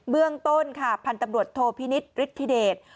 เบื้องต้นพันธุ์ตำรวจโทธินิศฤทธิเดช